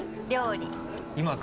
料理。